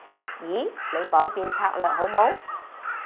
咦？你改變策略好冇？